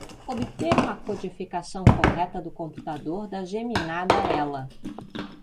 Obter uma codificação correta do computador da geminada ela.